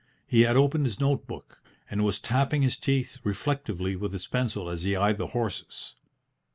He had opened his note book, and was tapping his teeth reflectively with his pencil as he eyed the horses.